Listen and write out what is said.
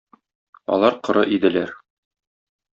Алар коры иделәр.